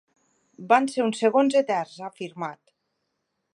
Van ser uns segons eterns, ha afirmat.